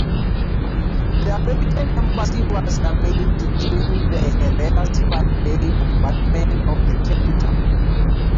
The American embassy was damaged during Herrera's five-day bombardment of the capital.